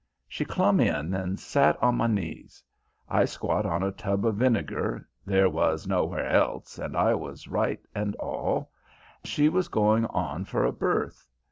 She clumb in and sat on my knees; I squat on a tub of vinegar, there was nowhere else and I was right and all, she was going on for a birth.